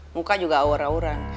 muka juga awar awaran